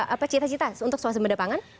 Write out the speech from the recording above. apa cita cita untuk suasana pendepangan